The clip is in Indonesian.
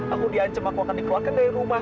aku di ancem aku akan dikeluarkan dari rumah